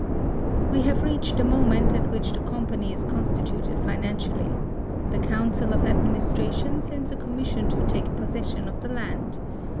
We have reached the moment at which the Company is constituted financially. The Council of Administration sends a Commis sion to take possession of the land.